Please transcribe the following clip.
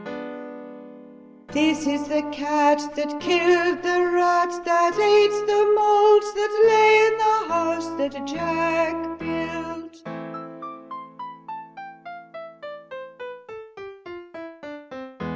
This isthecatthat killed the rat that ate the malt that lay in the house that 3 Jack built